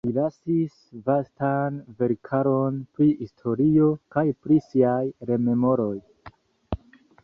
Li lasis vastan verkaron pri historio kaj pri siaj rememoroj.